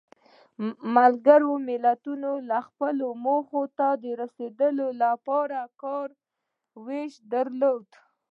ملګرو ملتونو خپلو موخو ته د رسیدو لپاره کار ویش درلود.